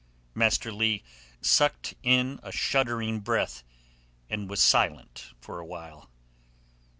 Master Leigh sucked in a shuddering breath, and was silent for a while.